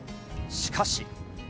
しかし。